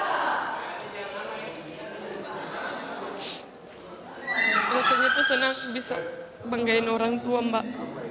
rasanya tuh senang bisa banggain orang tua mbak